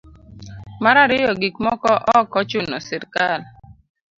mar ariyo gik moko ok ochuno srikal